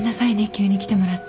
急に来てもらって。